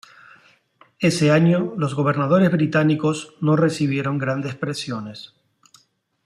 Ese año los gobernadores británicos no recibieron grandes presiones.